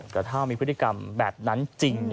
แต่ถ้ามีพฤติกรรมแบบนั้นจริง